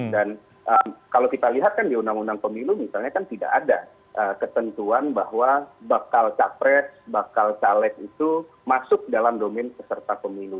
kalau kita lihat kan di undang undang pemilu misalnya kan tidak ada ketentuan bahwa bakal capres bakal caleg itu masuk dalam domain peserta pemilu